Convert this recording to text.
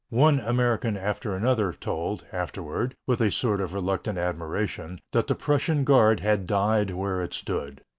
One American after another told, afterward, with a sort of reluctant admiration, that the Prussian guard had died where it stood.